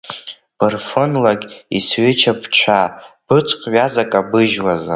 Бырфынлагь исҩычап бцәа, Быҵк ҩаза кабыжьуазар?!